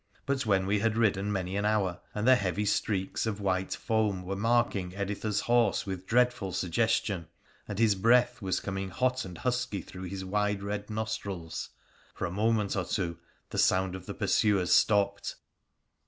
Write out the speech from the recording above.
But when we had ridden many an hour, and the heavy streaks of white foam were marking Editha's horse with dreadful suggestion, and his breath was coming hot and husky through his wide red nostrils, for a moment or two the Bound of the pursuers stopped.